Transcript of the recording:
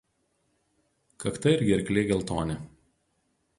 Kakta ir gerklė geltoni.